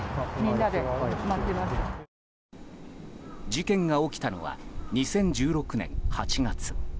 事件が起きたのは２０１６年８月。